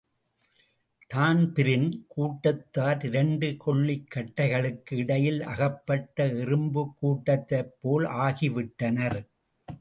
Dan Breen கூட்டத்தார் இரண்டு கொள்ளிக்கட்டைகளுக்கு இடையில் அகப்பட்ட எறும்புக் கூட்டத்தைப்போல் ஆகிவிட்டனர்.